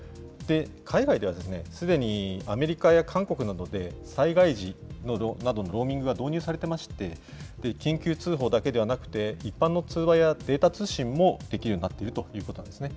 海外ではすでにアメリカや韓国などで、災害時などのローミングが導入されてまして、緊急通報だけではなくて、一般の通話やデータ通信もできるようになっているということなんですね。